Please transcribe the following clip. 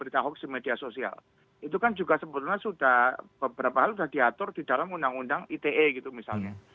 itu kan juga sebetulnya sudah beberapa hal sudah diatur di dalam undang undang ite gitu misalnya